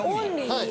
はい。